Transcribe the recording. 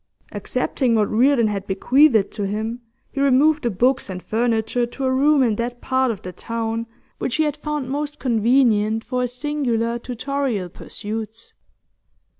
Accepting what Reardon had bequeathed to him, he removed the books and furniture to a room in that part of the town which he had found most convenient for his singular tutorial pursuits.